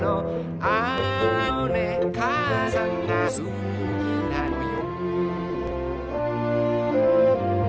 「あのねかあさんがすきなのよ」